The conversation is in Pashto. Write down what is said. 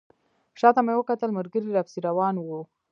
شاته مې وکتل ملګري راپسې روان وو.